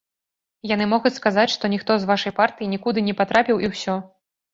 Яны могуць сказаць, што ніхто з вашай партыі нікуды не патрапіў і ўсё!